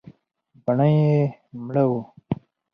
بڼه يې مړه وه .